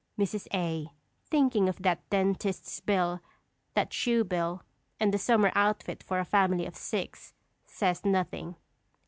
[_Mrs. A., thinking of that dentist's bill, that shoe bill, and the summer outfit for a family of six, says nothing.